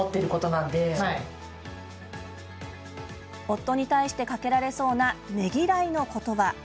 夫に対してかけられそうなねぎらいの言葉。